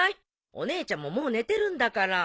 お姉ちゃんももう寝てるんだから。